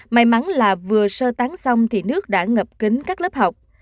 may mắn là vừa sơ tán xong thì nước đã ngập kính các lớp học